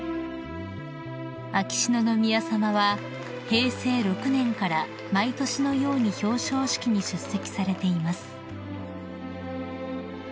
［秋篠宮さまは平成６年から毎年のように表彰式に出席されています］